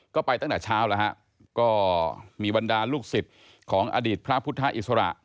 ก็ไปตั้งแต่เช้าแล้วฮะก็มีบรรดาลูกศิษย์ของอดีตพระพุทธอิสระ